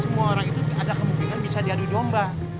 semua orang itu ada kemungkinan bisa diadu domba